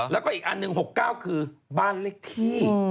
แล้วก็อีกอันหนึ่ง๖๙คือบ้านเลขที่